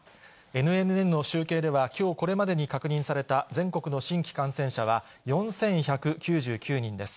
ＮＮＮの集計ではきょうこれまでに確認された全国の新規感染者は４１９９人です。